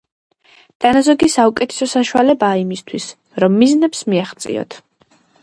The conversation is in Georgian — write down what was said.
დანაზოგი საუკეთესო საშუალებაა იმისთვის, რომ მიზნებს მიაღწიოთ.